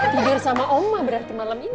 tidur sama oma berarti malam ini